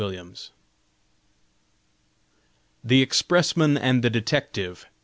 page 268 THE EXPRESSMAN AND THE DETECTIVE.